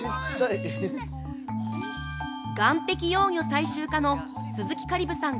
岸壁幼魚採集家の鈴木香里武さん